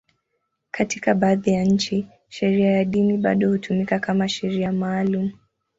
Katika baadhi ya nchi, sheria ya dini bado hutumika kama sheria maalum.